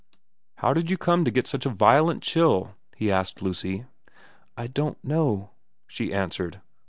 How did you come to get such a violent chill ?' he asked Lucy. ' I don't know,' she answered.